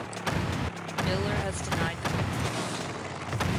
Miller has denied the report.